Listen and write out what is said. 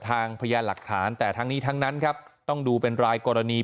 พยานหลักฐานแต่ทั้งนี้ทั้งนั้นครับต้องดูเป็นรายกรณี